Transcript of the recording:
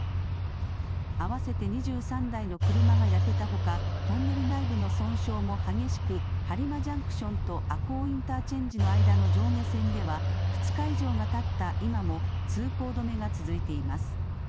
合わせて２３台の車が焼けたほかトンネル内部の損傷も激しく播磨ジャンクションと赤穂インターチェンジの間の上下線では２日以上がたった今も通行止めが続いています。